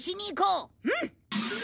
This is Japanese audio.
うん！